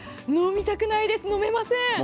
飲みたくないです、飲めません。